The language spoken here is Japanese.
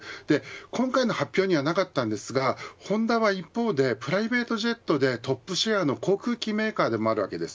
今回の発表にはなかったんですがホンダは一方でプライベートジェットでトップシェアの航空機メーカーでもあるわけです。